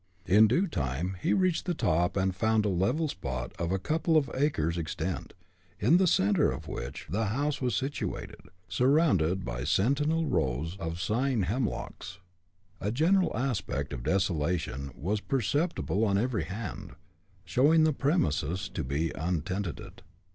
In due time he reached the top and found a level spot of a couple of acres extent, in the center of which the house was situated, surrounded by sentinel rows of sighing hemlocks. A general aspect of desolation was perceptible on every hand, showing the premises to be untenanted.